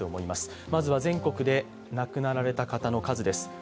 まずは全国で亡くなられた方の数です。